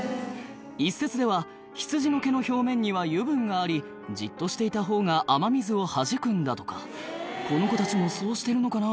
一説では羊の毛の表面には油分がありじっとしていたほうが雨水をはじくんだとかこの子たちもそうしてるのかな？